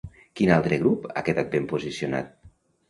Quin altre grup ha quedat ben posicionat?